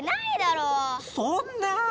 そんなぁ。